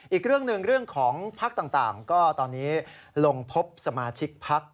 อีกเรื่องหนึ่งเรื่องของพักต่างก็ตอนนี้ลงพบสมาชิกพัก